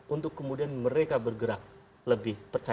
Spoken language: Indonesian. untuk kemudian mereka bergerak lebih percaya